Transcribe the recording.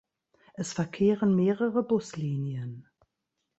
Es verkehren mehrere Buslinien.